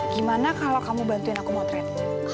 gimana kalau kamu bantuin aku motret